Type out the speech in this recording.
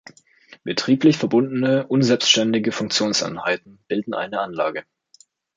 Betrieblich verbundene unselbstständige Funktionseinheiten bilden eine Anlage.